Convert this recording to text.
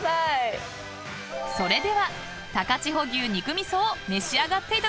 ［それでは高千穂牛肉味噌を召し上がっていただきましょう］